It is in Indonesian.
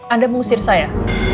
anda mengusir saya